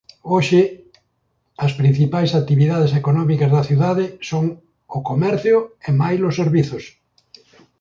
Hoxe as principais actividades económicas da cidade son o comercio e mailos servizos.